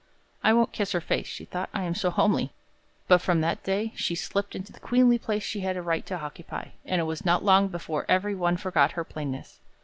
"I won't kiss her face," she thought, "I am so homely!" but from that day she slipped into the queenly place she had a right to occupy, and it was not long before every one forgot her plainness.